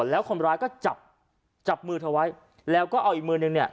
แล้วคนร้ายก็จับจับมือเธอไว้แล้วก็เอาอีกมือนึงเนี่ย